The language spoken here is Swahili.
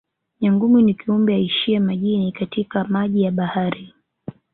Nyangumi ni kiumbe aishiye majini katika maji ya bahari